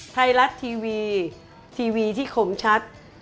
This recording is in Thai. ไทยรัฐทีวีทีวีที่ขมชัด